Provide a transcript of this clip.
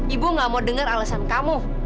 ibu gak mau dengar alasan kamu